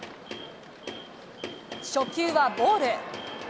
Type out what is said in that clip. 初球はボール。